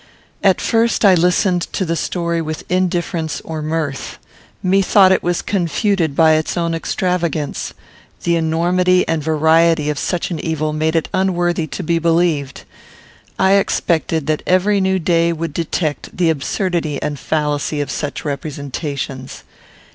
At first I listened to the story with indifference or mirth. Methought it was confuted by its own extravagance. The enormity and variety of such an evil made it unworthy to be believed. I expected that every new day would detect the absurdity and fallacy of such representations.